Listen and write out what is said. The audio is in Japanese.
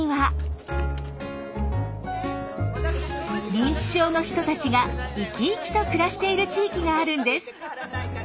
認知症の人たちがイキイキと暮らしている地域があるんです。